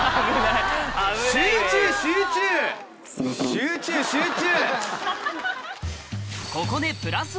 集中集中！